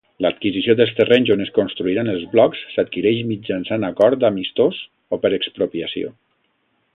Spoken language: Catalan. L'adquisició dels terrenys on es construiran els blocs s'adquireix mitjançant acord amistós o per expropiació.